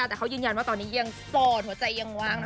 แต่เขายืนยันว่าตอนนี้ยังโสดหัวใจยังว่างนะ